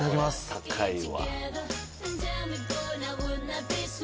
高いわ。